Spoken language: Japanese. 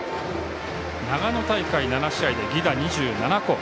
長野大会７試合で犠打２７個。